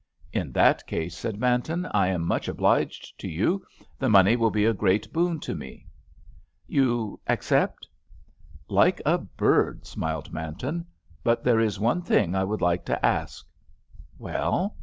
"In that case," said Manton, "I am much obliged to you; the money will be a great boon to me." "You accept?" "Like a bird!" smiled Manton. "But there is one thing I would like to ask." "Well?"